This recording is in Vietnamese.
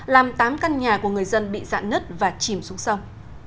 làm tám căn nhà của người dân bị dạn nứt và chìm xuống sông